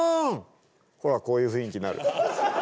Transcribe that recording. ほらこういう雰囲気になる。